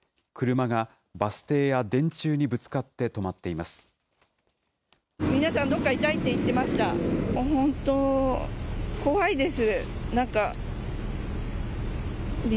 車がバス停や電柱にぶつかって止まっています。